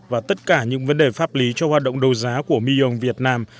và tất cả những vấn đề pháp lý cho hoạt động đấu giá của millon việt nam